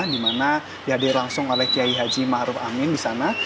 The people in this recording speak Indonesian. di mana dihadir langsung oleh kiai haji ⁇ maruf ⁇ amin di sana